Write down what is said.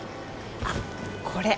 あっこれ！